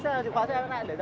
chị ơi chị nhầm em với ai rồi